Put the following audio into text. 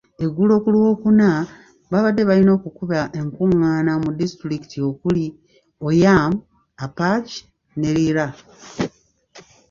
Eggulo ku Lwokuna, baabadde balina okukuba enkung'aana mu disitulikiti okuli; Oyam, Apac ne Lira.